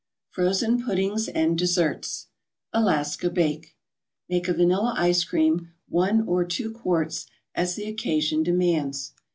FROZEN PUDDINGS AND DESSERTS ALASKA BAKE Make a vanilla ice cream, one or two quarts, as the occasion demands.